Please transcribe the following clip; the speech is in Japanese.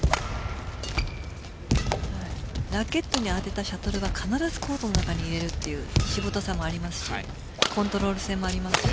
ラケットに当てたシャトルを必ずコートの中に入れるというしぶとさもありますしコントロール性もありますし。